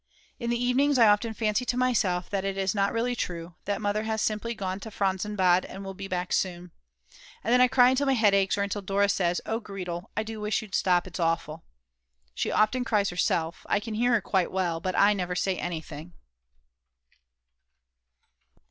In the evenings I often fancy to myself that it is not really true, that Mother has simply gone to Franzensbad and will be back soon. And then I cry until my head aches or until Dora says: "Oh Gretel, I do wish you'd stop, it's awful." She often cries herself, I can hear her quite well, but I never say anything.